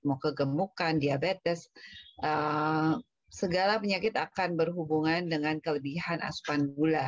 mau kegemukan diabetes segala penyakit akan berhubungan dengan kelebihan asupan gula